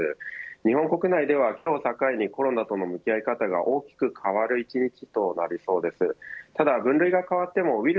日本国内では今日を境にコロナとの関わり方が大きく変わる１日となりそうです。